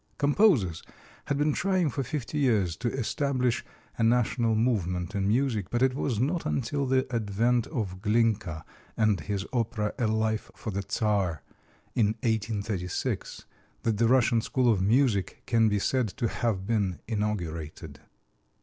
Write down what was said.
Composers had been trying for fifty years to establish a national movement in music, but it was not until the advent of Glinka and his opera, "A Life for the Czar," in 1836, that the Russian school of music can be said to have been inaugurated.